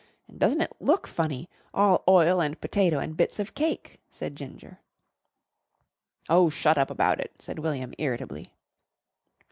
and doesn't it look funny all oil and potato and bits of cake!" said Ginger. "Oh! shut up about it," said William irritably.